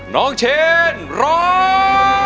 น้องเชนร้อง